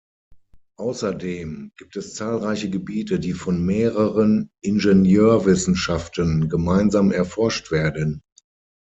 Außerdem gibt es zahlreiche Gebiete die von mehreren Ingenieurwissenschaften gemeinsam erforscht werden.